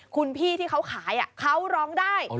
คุณพี่ที่เขาขายเขาร้องได้